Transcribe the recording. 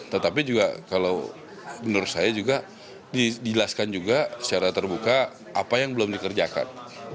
tetapi juga kalau menurut saya juga dijelaskan juga secara terbuka apa yang belum dikerjakan